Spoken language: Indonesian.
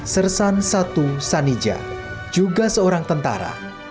sersan satu sanija juga seorang tentara